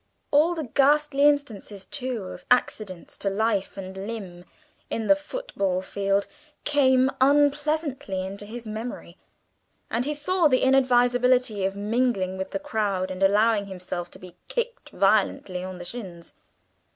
All the ghastly instances, too, of accidents to life and limb in the football field came unpleasantly into his memory, and he saw the inadvisability of mingling with the crowd and allowing himself to be kicked violently on the shins.